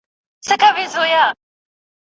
حضوري ټولګي زده کوونکي د ګډون فرصت زياتول.